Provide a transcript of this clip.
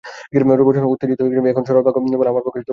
রসনা উত্তেজিত হয়েছে, এখন সরল বাক্য বলা আমার পক্ষে অত্যন্ত সহজ হয়েছে।